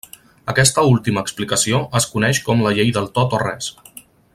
Aquesta última explicació es coneix com la llei del tot o res.